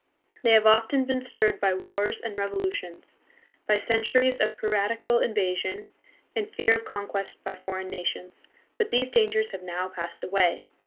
They have often been stirred by wars and revo lutions, by centuries of piratical invasion, and fear of con quest by foreign nations. But these dangers have now passed away.